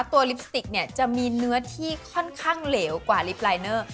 ลิปสติกเนี่ยจะมีเนื้อที่ค่อนข้างเหลวกว่าลิฟต์ลายเนอร์